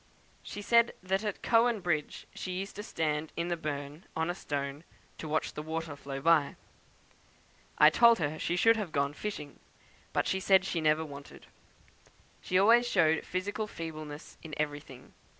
She said that at Cowan Bridge she used to stand in the burn, on a stone, to watch the water flow by. I told her she should have gone fishing; she said she never wanted. She always showed physical feebleness in everything.